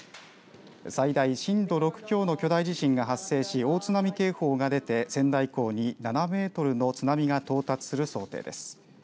最大震度６強の巨大地震が発生し大津波警報が出て、仙台港に７メートルの津波が到達する想定です。